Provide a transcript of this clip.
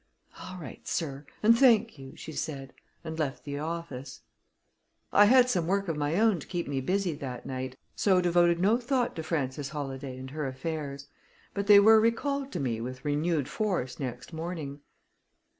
"All right, sir; and thank you," she said, and left the office. I had some work of my own to keep me busy that night, so devoted no thought to Frances Holladay and her affairs, but they were recalled to me with renewed force next morning.